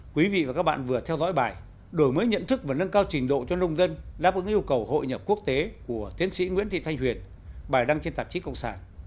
quý vị và các bạn vừa theo dõi bài đổi mới nhận thức và nâng cao trình độ cho nông dân đáp ứng yêu cầu hội nhập quốc tế của tiến sĩ nguyễn thị thanh huyền bài đăng trên tạp chí cộng sản